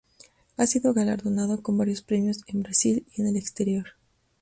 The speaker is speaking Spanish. Ha sido galardonado con varios premios en Brasil y en el exterior.